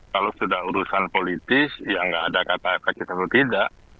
kalau sudah urusan politis ya nggak ada kata efektif atau tidak